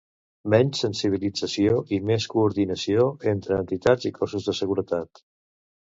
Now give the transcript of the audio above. Menys sensibilització i més coordinació entre entitats i cossos de seguretat.